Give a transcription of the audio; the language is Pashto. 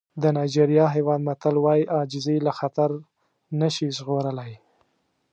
د نایجېریا هېواد متل وایي عاجزي له خطر نه شي ژغورلی.